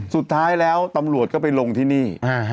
สุดท้ายแล้วตำรวจก็ไปลงที่นี่